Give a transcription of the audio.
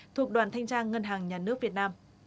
thuộc đoàn thanh tra ngân hàng nhà nước việt nam